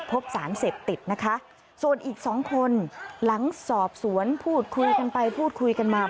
พบสารเสพติดนะคะส่วนอีกสองคนหลังสอบสวนพูดคุยกันไปพูดคุยกันมา